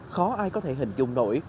khó ai có thể hình dung nổi